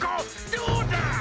どうだ！